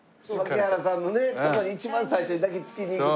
槙原さんのとこに一番最初に抱きつきに行くところ。